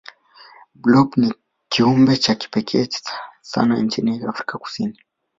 blob ni kiumbe cha kipekee sana nchini afrika kusini